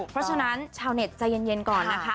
เพราะฉะนั้นชาวเน็ตใจเย็นก่อนนะคะ